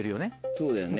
そうだよね。